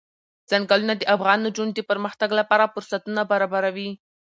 ځنګلونه د افغان نجونو د پرمختګ لپاره فرصتونه برابروي.